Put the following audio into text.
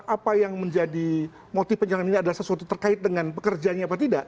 apa yang menjadi motif penyerangan ini adalah sesuatu terkait dengan pekerjaannya apa tidak